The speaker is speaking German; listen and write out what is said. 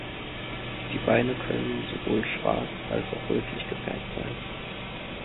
Die Beine können sowohl schwarz als auch rötlich gefärbt sein.